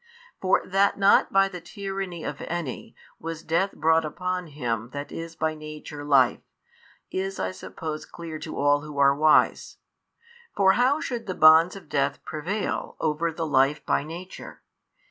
For that not by the tyranny of any, was death brought upon Him That is by Nature Life, is I suppose clear to all who are wise: for how should the bonds of death prevail over the Life by Nature?